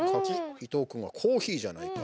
伊藤君はコーヒーじゃないか。